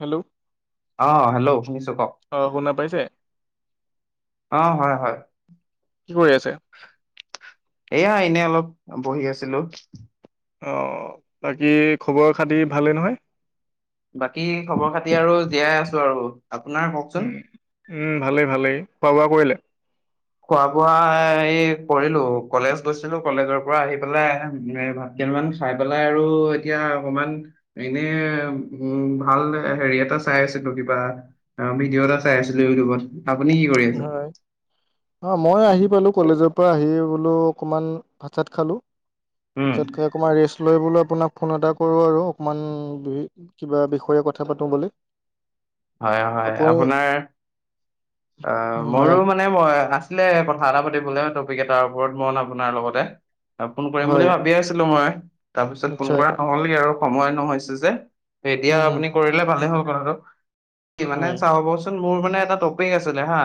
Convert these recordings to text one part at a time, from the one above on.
Hello অ hello শুনিছো কওক। অ শুনা পাইছে? অ হয় হয়। কি কৰি আছে? এয়া এনে অলপ বহি আছিলো। অ বাকী খবৰ খাতি ভালেই নহয়? বাকী খবৰ খাতি আৰু জীয়াই আছো আৰু আপোনাৰ কওকচোন? উম উম ভালেই ভালেই খোৱা বোৱা কৰিলে? খোৱা বোৱা এ কৰিলো কলেজ গৈছিলো কলেজৰ পৰা আহি পেলাই [inaudible] গেল মান খাই পেলাই আৰু এতিয়া অকমান এনে উম ভাল হেৰি এটা চাই আছিলো কিবা ৰামী হিৰ এটা চাই আছিলো ইউটিউবত, আপুনি কি কৰি আছে? হয় অ মই আহি পালো কলেজৰ পৰা আহি বোলো অকমান ভাত চাত খালো। ভাত উম চাত এ অকণমান ৰেষ্ট লৈ বুলো আপোনাক ফোন এটা কৰো আৰু অকণমান কিবা বিষয়ে কথা পাতো বুলি। হয় হয় আপুনি আপোনাৰ অ হয় মোৰো মানে মে মই আছিলে কথা এটা পাতিবলে টপিক এটাৰ ওপৰত মন আপোনাৰ লগতে। ফোন কৰিম বুলি হয় ভাবিযয়ে আছিলো মই তাৰপিছত ফোন নিশ্চয় কৰা নহলগে আৰু সময় নহৈছে যে। এতিয়া উম হম আপুনি কৰিলে ভালেই হ'ল কথাটো। কিমানে হয় চাহবচোন মোৰ মানে এটা টপিক আছিলে হা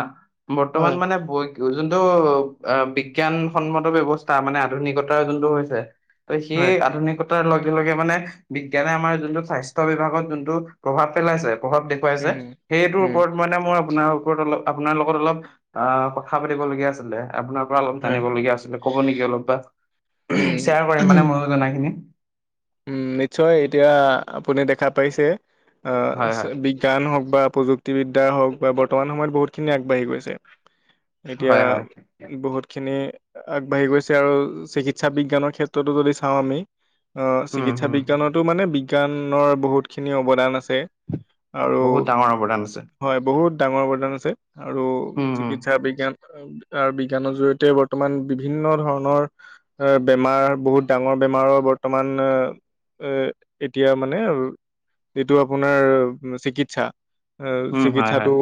হয় বৰ্তমান মানে বৈ যোনটো আ বিজ্ঞানসন্মত ব্যৱস্থা মানে আধুনিকতা যোনটো হৈছে ত সেই হয় আধুনিকত তাৰ লগে লগে মানে বিজ্ঞানে আমাৰ যোনটো স্বাস্থ্য বিভাগত যোনটো প্ৰভাৱ পেলাইছে, প্ৰভাৱ বে পাৱাই যে উম সেইটোৰ উম ওপৰত মানে মোৰ আপোনাৰ ওপৰত অলপ আপোনাৰ লগত অলপ আ কথা পাতিবলগীয়া আছিলে। আপোনাৰ পৰা অলপ হয় জানিবলগীয়া আছিলে, ক'ব নেকি অলপ বা শ্বেয়াৰ কৰিম মানে উম ময়ো জনা খিনি। উম নিশ্চয় এতিয়া আপুনি দেখা পাইছে আহ হয় বি জ্ঞান হওক বা প্ৰযুক্তিবিদ্যা হওক বা বৰ্তমান সময়ত বহুতখিনি আগবাঢ়ি গৈছে। এতিয়া হয় হয় হয় বহুতখিনি আগবাঢ়ি গৈছে আৰু চিকিৎসা বিজ্ঞানৰ ক্ষেত্ৰতো যদি চাওঁ আমি অ উম চিকিৎসা হম বিজ্ঞানতো মানে বিজ্ঞানৰ বহুতখিনি অৱদান আছে, আ বহুত ডাঙৰ অৱদান আছে। হয় বহুত ডাঙৰ অৱদান আছে আৰু উম উম চিকিৎসা বিজ্ঞান আৰ বিজ্ঞানৰ জৰিয়তে বৰ্তমান বিভিন্ন ধৰণৰ বেমাৰ বহুত ডাঙৰ বেমাৰৰ বত ৰ্তমান আ এ এতিয়া মানে যিটো আপোনাৰ চিকিৎসা উম হয় হয় চিকিৎসাটো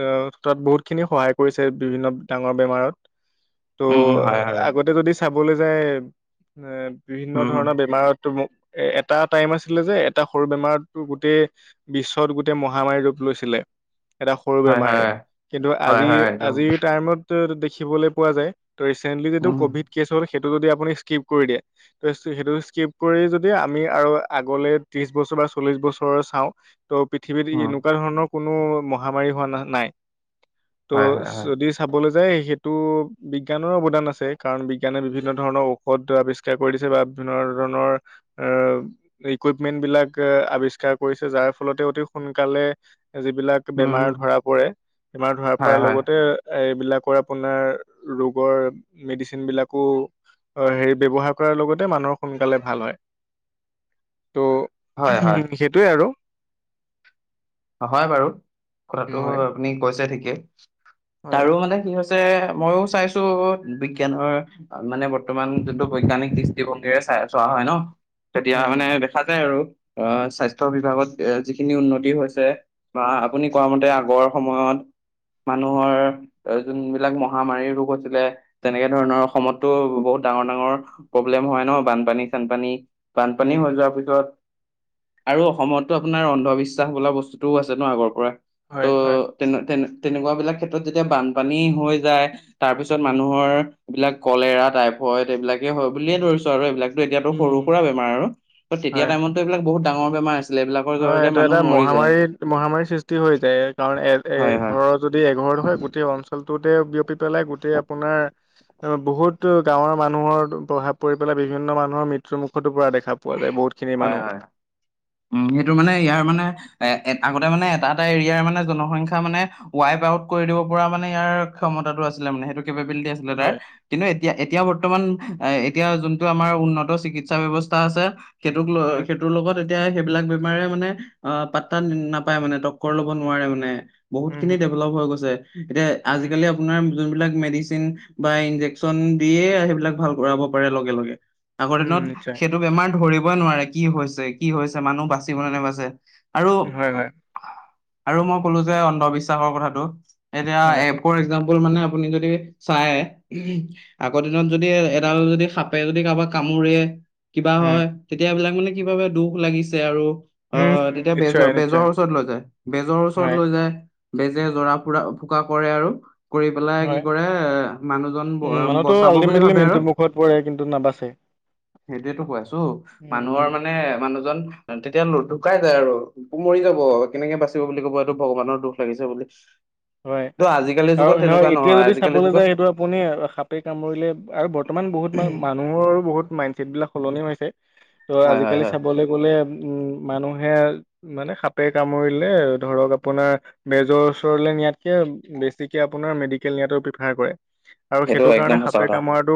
আ তাত বহুতখিনি সহায় কৰিছে বিভিন্ন ডাঙৰ বেমাৰত। ত আগতে যদি চাবলৈ যায় এ বিভিন্ন ধৰণৰ বেমাৰত তুমি এ এটা টাইম আছিলে যে এটা সৰু বেমাৰ তোৰ গোটেই বিশ্বত গোটেই মহামাৰী ৰূপ লৈছিলে। এটা সৰু বেমাৰে কিন্তু আজি আজিৰ টাইমত ত সেইতো দেখিবলে পোৱা যায় ত ৰিচেণ্টলি যিটো কভি কেছ হল সেইতো যদি আপুনি স্কিপ কৰি দিয়ে [inaudible] সেইটো স্কিপ কৰি যদি আমি আৰু আগলে ত্ৰিশ বছৰ বা চল্লিশ বছৰৰ চাওঁ ত' পৃথিৱীত এনেকুৱা ধৰণৰ কোনো মহামাৰী হোৱা ন-নাই ত' যদি। চাবলৈ যায় সেইটো। বিজ্ঞানৰো অৱদান আছে কাৰণ বিজ্ঞানে বিভিন্ন ধৰণৰ ঔষধ আৱিষ্কাৰ কৰি দিছে বা বিভিন্ন ধৰণৰ। আহ ইকুইপমেণ্ট বিলাক আৱিষ্কাৰ কৰিছে যাৰ ফলতে অতি সোনকালে। যিবিলাক বেমাৰ ধৰা পৰে বেমাৰ ধৰা পৰাৰ লগতে। এইবিলাকৰ আপোনাৰ ৰোগৰ মেডিচিন বিলাকো। হয় ব্যৱহাৰ কৰাৰ লগত মানুহৰ সোনকালে ভাল হয়। ত' উম সেইটোৱে আৰু। হয় বাৰু কথাটো হয় আপুনি কৈছে ঠিকে। হয় তাৰো মানে কি হৈছে মইও চাইছোঁ বিজ্ঞানৰ। মানে বৰ্তমান যোনটো বৈজ্ঞানিক দৃষ্টিভংগীৰে চায় চোৱা হয় নহ। তেতিয়া উম মানে দেখা যায় আৰু অ স্বাস্থ্য বিভাগত এ যিখিনি উন্নতি হৈছ বা আপুনি কোৱা মতে আগৰ সময়ত মানুহৰ। যোনবিলাক মহামাৰীৰ ৰোগ আছিলে তেনেকে ধৰণৰ অসমতো বহুত ডাঙৰ, ডাঙৰ। প্ৰব্লেম হয় নহ বানপানী চানপানী। বানপানী উম হৈ যোৱাৰ পিছত আৰু অসমতো আপোনাৰ অন্ধবিশ্বাস বোলা বস্তু [unintelligible] আছে নহ আগৰ পৰা। হয়, হয়। তেন, তেনে-তেনেকুৱা বিলাক ক্ষেত্ৰত যেতিয়া বানপানী হৈ যায় তাৰ পিছত উম মানুহৰ। এইবিলাক কলেৰা টাইপফয়ড এইবিলাক এতিয়া সৰু বুলিয়ে উম ধৰিছো আৰু এইবিলাকটো এতিয়া সৰু উম সুৰা বেমাৰ আৰু তেতিয়া হয় টাইমতো এইবিলাক বহুত ডাঙৰ বেমাৰ আছিল এইবিলাকৰ হয় জৰিয়তে এইটো এটা মানুহ মৰি যায়। মহামাৰীত মহামাৰীৰ সৃষ্টি হৈ যায় কাৰণ হয় হয় এ-এঘৰৰ যদি এঘৰত হয় গোটেই অঞ্চলটোতে বিয়পি পেলাই গোটেই আপোনাৰ বহুত গাঁৱৰ মানুহৰ প্ৰভাৱ পৰি পেলাই বিভিন্ন মানুহৰ মৃত্যুৰ মুখতো পৰা দেখা পা পোৱা যায় বহুতখিনি হয় মানুহ। হয় উম সেইটো মানে ইয়াৰ মানে এ আগতে মানে এটা, এটা এৰিয়াৰ মানে জনসংখ্যা মানে। ৱাইপ আউট কৰি দিব পৰা মানে ইয়াৰ ক্ষমতাটো আছিলে মানে সেইটো কেপবিলিটি হয় [unintelligible] কিন্তু এতিয়া, এতিয়া বৰ্তমান এতিয়া যোনটো আমাৰ উন্নত চিকিৎসা ব্যৱ এটা আছে সেইটোক হয় সেইটোৰ লগত। তেতিয়া সেইবিলাক বেমাৰে মানে অ পাত্তাত নাপায় মানে ডক ল'ব উম নোৱাৰে মানে বহুত উম খিনি হম ডেভেলপ হৈ গৈছে এতিয়া উম আজিকালি আপো নাৰ যোনবিলাক মেডিচিন বা ইনজেকচন দিয়ে সেইবিলাক ভাল কৰাব পাৰে লগে, লগে। আগৰ উম দিনত নিশ্চয় সেইটো বেমাৰ ধৰিবই নোৱাৰে কি হৈছে কি হৈছে মানুহ বাচিব নে নেবাছে। আৰু, হয় হয় আৰু মই ক'লো যে অন্ধবিশ্বাসৰ কথাটো এতিয়া হয় এ ফৰ এক্জাম্পল মানে আপুনি যদি চায়। আগৰ দিনত যদি এডাল যদি সাপে যদি কাৰোবাক কামোৰে। কিবা উম হয় তেতিয়াবিলাক মানে কি ভাৱে দোষ লাগিছে আৰু। অ উম উম তেতিয়া নিশ্চয় বেজ-বেজৰৰ নিশ্চয় ওচৰত লৈ যায় বেজৰ ওচৰত হয় লৈ যায়। বেজে জৰা ফুৰা ফুকা কৰে আৰু। কৰি পেলাই কি হয় কৰে এ মানুহজন উম মানুহতো ব-বচাব বুলি আল্টিমেটলি ভাবে আৰু। [unintelligible] পৰে কিন্তু নাবাচে। সেইটোৱেতো কৈ আছোঁ উম হম মানুহৰ মানে মানুহজন তেতিয়া ঢুকাই যায় আৰু। মৰি যাব কেনেকে বাচিব বুলি ক'ব এইটো ভগৱানৰ দোষ লাগিছে বুলি। হয়, ত আজিকালিৰ আৰু যুগত স তেনেকুৱা এতিয়া নহয় যদি আজিকালিৰ চাবলৈ যুগত যায় সেইটো আপুনি সাপে কামৰিলে আৰু বৰ্তমান বহুত মান, মানুহৰো বহুত মাইণ্ডচছেটবিলাক সলনি হৈছে ত' হয় হয় আজিকালি হয় চাবলৈ গ'লে, উম মানুহে মানে সাপে কামুৰিলে ধৰক আপোনাৰ বেজৰ ওচৰলেলৈ নিয়াত, বেছিকে আপোনাৰ মেদিকেল নিয়াতো প্ৰিফাৰ কৰে, আৰু সেইটো কাৰণে একদম সঁচা সাপে কথা কামোৰাটো,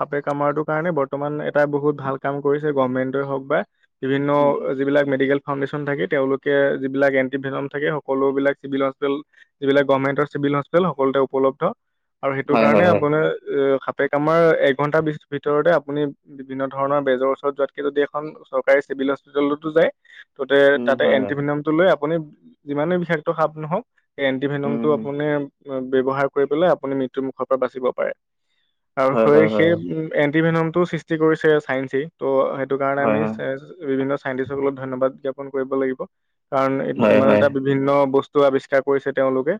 সাপে কামাৰটোৰ কাৰণে বৰ্তমান এটা বহুত ভাল কাম কৰিছে গভমেণ্টই হওক বা, বিভিন্ন উম উম যিবিলাক মেডিকেল, ফাউণ্ডেশ্যন থাকে তেওঁলোকে যিবিলাক এণ্টিভেনম থাকে সকলোবিলাক চিভিল হস্পিটেল, যিবিলাক গৰভেন্তৰ চিভিল হস্পিটেল সকলোতে উপল্ধ আৰু সেইটো হয় কাৰণে হয় হয় আপোনাৰ সাপ, পে কামোৰাৰ এক ঘন্টাৰ ভিতৰতে আপুনি, বিভিন্ন ধৰণৰ বেজৰ ওচৰত যোৱাতকৈ যদি এখন চৰকাৰী চিভিল হস্পিটেলতো যায়, ততে উম তাতে হয় হয় এন্টিভেনমটো লৈ আপুনি যিমানে বিষাক্ত সাপ নহওক, সেই উম এন্টিভেনমটো হম আপুনি ব্যৱহাৰ কৰি পেলাই আপুনি মৃত্যুৰ মুুখৰ পৰা বাচিব পাৰে। আৰু হয় সেই হয় হয় সেই এন্টিভেনমটোও সৃষ্টি কৰিছে চায়েঞ্চই, ত' সেইটো কাৰণে হয় আমি হয় বিভিন্ন চাইন্টিষ্ট সকলত ধন্যবাদ জ্ঞাপন কৰিব লাগিব। কাৰণ হয় ইমান হয় এটা বিভিন্ন বস্তু আৱিষ্কাৰ কৰিছে তেওঁলোকে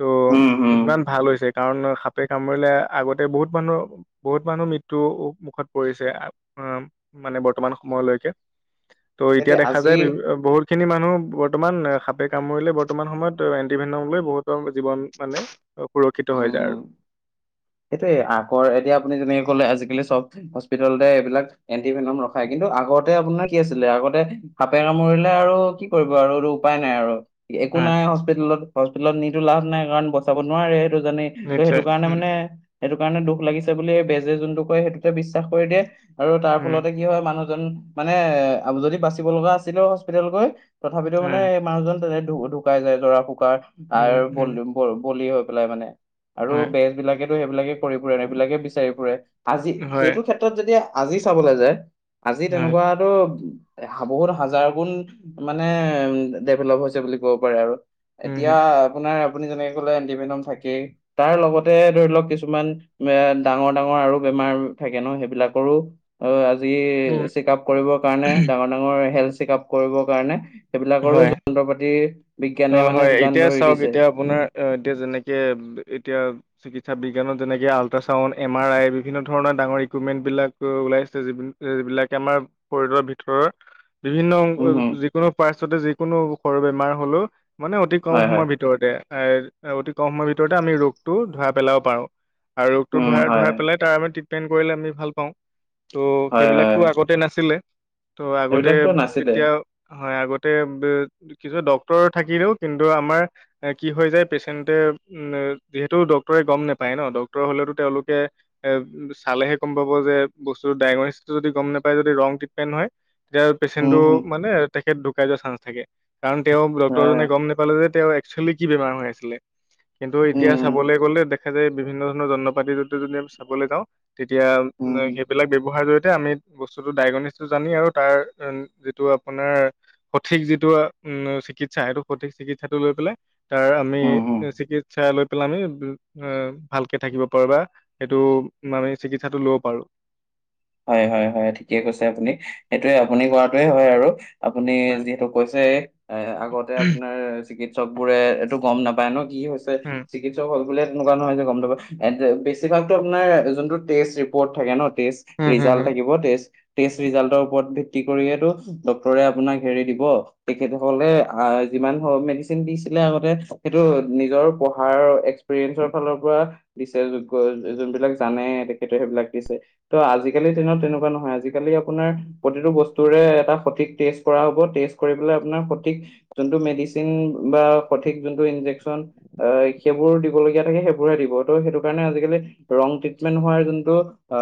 ত অ, উম হম ইমান ভাল হৈছে কাৰণ সাপে কামুৰিলে আগতে বহুত মানুহ বহুত মানুহ মৃত্যু ও মুখত পৰিছে উ মানে বৰ্তমান সময়লৈকে, ত' এতিয়া সেইটোৱে দেখা আজি যায় বহুত খিনি মানুহ বৰ্তমান সাপে কামৰিলে বৰ্তমান সময়ত, এন্টিভেনম লৈ বহুতৰ জীৱন মানে সুৰক্ষিত হৈ যায় উম আৰু, সেইটোয়ে আগৰ এতিয়া আপুনি যেনেকে কলে আজিকালি চব হস্পিতেলতে এইবিলাক, এণ্টিভেনম ৰখাই কিন্তু আগতে আপোনাক, কি কি আছিলে আগতে সাপে কামুৰিলে আৰু কি কৰিব আৰু এইটো উপায় নাই আৰু, একো হয় নাই হস্পিতেেলত হস্পিতেলত নিতো লাভ নাই কাৰণ বচাব নোৱাৰে সেইটো জানেই, ত' সেইটো নিশ্চয় কাৰণে উম মানে সেইটো কাৰণে দুখ লাগিছে বুলি বেজে যোনটো কয় সেইটোকে বিশ্বাস কৰি দিয়ে। আৰু তাৰ উম ফলতে কি হয় মানুহজন মানে যদি বাচিব লগা আছিলেও হস্পিতেল গৈ, তথাপিতো মানে হয় মানুহজন তেনে ঢুকাই যায় জৰা ফুকাৰ উম আৰু বল, উম ব বলি হৈ পেলাই মানে আৰু হয় বেজবিলাক। সেইবিলাকে কৰি ফুৰে ন এইবিলাকে বিচাৰি ফুৰে আজি হয় সেইটো ক্ষেত্ৰত যদি আজি চাবলৈ যায়। আজি হয় তেনেকুৱাতো বহুত হাজাৰ গুণ, মানে উ ডেভেলপ হৈছে বুলি ক'ব পাৰে আৰু, উম এতিয়া উম আপোনাৰ আপুনি যেনেকে কলে এণ্টিভেনম থাকেই তাৰ লগতে, ধৰি লওক কিছুমান এ ডাঙৰ ডাঙৰ আৰু বেমাৰ থাকে ন সেইবিলাকৰো, অ আজি উম চেক আপ কৰিবৰ কাৰণে ডাঙৰ ডাঙৰ হেল্থ চেক আপ কৰিবৰ কাৰণে, সেইবিলাকৰো হয় যন্ত্ৰ পাতি অ বিজ্ঞানে মানে হয় যোগান এতিয়া ধৰি চাওক দিছে, এতিয়া আপোনাৰ এতিয়া যেনেকৈ এতিয়া, চিকিৎসাজ্ঞানত যেনেকৈ আলট্ৰাউণ্ড এম আৰ আই বিভিন্ন ধৰণৰ ডাঙৰ ইকুইপমেণ্টবিলাক ওলাই আছে য, য বিলাকে আমাৰ শৰীৰৰ ভিতৰত, বিভিন্ন অংশ উম হম যিকোনো পাইষ্টতে যিকোনো সৰু বেমাৰ হলেও, মানে অতি কম হয় হয় সময়ৰ ভিত ভিতৰতে এ অতি কম সময়ৰ ভিতৰতে আমি ৰোগটো ধৰা পেলাব পাৰো। আৰু ৰোগটো উম, ধৰা হয়, ধৰা পেলাই তাৰ আমি ট্ৰিটমেণ্ট কৰিলে আমি ভাল পাওঁ। ত' হয়, সেইবিলাক হয়। টো আগতে নাছিলে। ত' আগতে সেইবিলাকতো নাছিলে। এতিয়া হয় আগতে বে কিছু ডক্তৰ থাকিলেও কিন্তু আমাৰ কি হৈ যায় পেচেণ্টে, উম, যিহেতু ডক্তৰে গম নাপায় ন, ডাক্তৰ হ'লেটো তেওঁলোকে এ চালেহে গম পাব যে, বস্তু ডায়েগনিচটো যদি গম নোপায় যদি ৰং ট্ৰিটমেণ্ট হয়। তেতিয়া উম, পেচেণ্টটো হুম। মানে তেখেত ঢুকাই যোৱা চান্স থাকে। কাৰণ তেওঁ হয়। ডক্তৰজনে গ'ম নোপালে যে, তেওঁ একচুৱেলি কি বেমাৰ হৈ আছিলে। কিন্তু এতিয়া উম, চাবলৈ গ'লে দেখা যায় বি ভিন্ন ধৰণৰ যন্ত্ৰ-পাতি য যদি আমি চাবলৈ যাওঁ, তেতিয়া উম, উম, উম। সেইবিলাক ব্যৱহাৰ জৰিয়তে আমি বস্তুটো ডাইগনিছটো জানি, আৰু তাৰ যিটো আপোনাৰ সঠিক যিটো উম চিকিৎসা, সেইটো সঠিক চিকিৎসাটো লৈ পেলাই তাৰ আমি উম, উম। চিকিৎসা লৈ পেলাই, আমি আঁ ভালকে থাকিব পাৰো বা। সেইটো মানে চিকিৎসাটো লব পাৰো। হয় হয় হয় ঠিকে কৈছে আপুনি, সেইটোয়ে আপুনি হয় কৰাটোৱে হয় আৰু আপুনি হয়। যিহেতু কৈছে, এ আগতে আপোনাৰ চিকিৎসক বোৰে এইটো গম নাপায় ন কি হৈছে উম চি কিৎসক হল বুলিয়ে তেনেকুৱা নহয় যে গম নাপায়। হেতু বেছিভাগ ত অপোনাৰ যোনটো টেষ্টত ৰিপৰ্ট থাকে নহ টেষ্ট হম হম ৰিজাল্ট হম থাকিব, টেষ্ট টেষ্ট ৰিজাল্টৰ ওপৰত ভিত্তি কৰিয়েটো ডক্তৰে আপোনাক হেৰি দিব। তেখেতসকলে আঁহ যিমান মেডিচিন দিছিলে আগতে, সেইটো নিজৰ পঢ়াৰ এক্স প্ৰীয়েন্স ফালৰ পৰা দিছে, যোগ্য যোনবিলাক জানে তেখেতে সেইবিলাক দিছে। ত' আজি কালি দিনত তেনেকুৱা নহয়, আজিকালি আপোনাৰ প্ৰতিটো বস্তুৰে এটা সঠিক টেষ্ট কৰা হ'ব, টেষ্ট কৰি পেলাই আপোনাৰ সঠিক যোনটো মেডিচিন বা সঠিক যোনটো ইনজেকচন আঁহ সেইবোৰ দিবলগীয়া থাকে, সেইবোৰহে দিব। ত' সেইটো কাৰণে আজিকালি ৰং ট্ৰিটমেন্ট হোৱাৰ যোনটো অঁ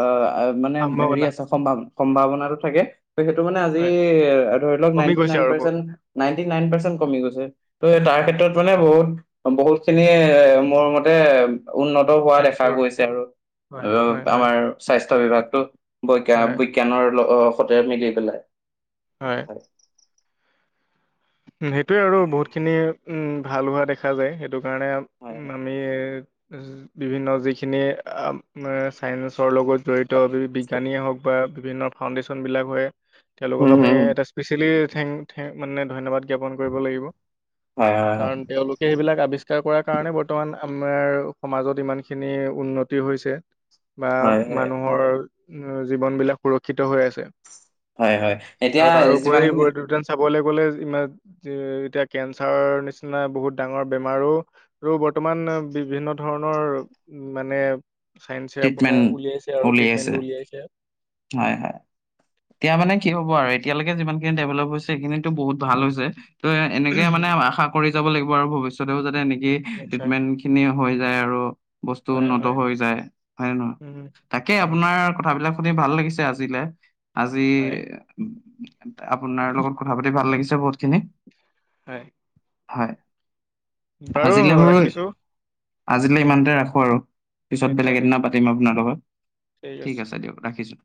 মানে হেৰি সম্ভাৱনা আছে, সম্ভাৱ সম্ভাৱনাটো থাকে। ত' সেইটো মানে আজি হয় এ ধৰিলওক কমি নাইণ্টি গৈছে নাইন আৰু বহুত পাৰ্চেন্ত, নাইন্টি নাইন পাৰ্চেন্ত কমি গৈছে। ত' তাৰ চাইন্সৰ হয় ক্ষেত্ৰত মানে এইটো বহুত বহুত খিনি এ মোৰ মতে উন্নত হোৱা দেখা চায়েন্সৰ গৈছে, বহুত। হয় আৰু হয় হয় আমাৰ স্বাস্থ্য বিভাগটো বৈগ্য হয় বৈজ্ঞানৰ সতে মিলি পেলাই। হয়। উম সেইটোৱে আৰু বহুতখিনি উম ভাল হোৱা দেখা যায়। সেইটো কাৰণে হয় হয় আমি উম বিভিন্ন যিখিনি অঁ ছায়ন্সৰ লগত জড়িত বিজ্ঞানীয়ে হওক বা বিভিন্ন ফাউণ্ডেশ্যনবিলাক হয়। তেওঁলোকক উম আমি হম এটা স্পেচিয়েলি থেংক থে মানে ধন্যবাদ জ্ঞাপন কৰিব লাগিব। হয় হয় কাৰণ তেওঁলোক কে সেইবিলাক আৱিষ্কাৰ কৰাৰ কাৰণে, বৰ্তমান আমাৰ সমাজত ইমানখিনি উন্নতি হৈছে। বা হয় হয় মানুহৰ জীৱন বিলাক সুৰক্ষিত হৈ আছে। হয় হয় হয়। এতিয়া আৰু তাৰো উপৰি যিমানখিনি এইবোৰ উদ্যান চাবলৈ গ'লে ইমান এতিয়া কেঞ্চাৰৰ নিচিনা বহুত ডাঙৰ বেমাৰো আৰু বৰ্তমান বিভিন্ন ধৰণৰ উম মানে চাইন্সে ট্ৰিটমেন্ট আপোনাৰ উলিয়াইছে আৰু উলিয়াইছে ট্ৰিটমেন্টটো উলিয়াইছে। হয় হয় এতিয়া মানে কি হ'ব আৰু এতিয়ালৈকে যিমানখিনি ডেভেলপ হৈছে সেইখিনিতো বহুত ভাল হৈছে। ত' এনেকে মানে হয় আশা কৰি যাব লাগিব আৰু ভৱিষ্যতেও যাতে এনেকে নিশ্চয় ট্ৰিটমেণ্ট, খিনিয়ে হৈ যায় আৰু বস্তু হয় হয় উন্নত হৈ যায়। হয় নে নহয়? উম, তাকে হয় আপোনাৰ কথাবিলাক শুনি ভাল লাগিছে আজিলে। আজি হয় আপোনাৰ লগত কথা পাতি ভাল লাগিছে বহুতখিনি। হয়। হয়। বাৰু আজিলে ৰাখিছো [unintelligible] আজিলৈ উম, ইমানতে ৰাখোঁ আৰু পিছত নিশ্চয় বেলেগ এদিনা নিশ্চয় পাতিম আপোনাৰ লগত, ঠিক আছে দিয়ক ৰাখিছোঁ।